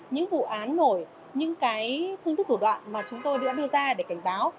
những vụ án nổi những cái thương thức thủ đoạn mà chúng tôi đã đưa ra để cảnh báo